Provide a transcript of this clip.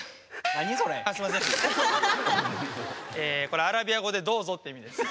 これアラビア語で「どうぞ」って意味です。